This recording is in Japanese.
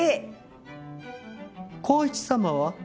孝一様は？